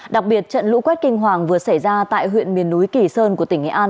đặc biệt trận lũ quét kinh hoàng vừa xảy ra tại huyện miền núi kỳ sơn của tỉnh nghệ an